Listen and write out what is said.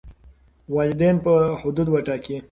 والدین به حدود وټاکي.